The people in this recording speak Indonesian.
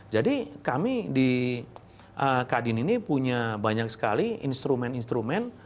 jadi kami di kadin ini punya banyak sekali instrumen instrumen